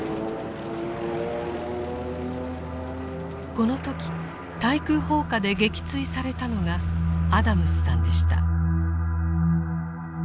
この時対空砲火で撃墜されたのがアダムスさんでした。